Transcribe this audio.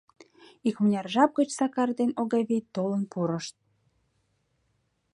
Икмыняр жап гыч Сакар ден Огавий толын пурышт.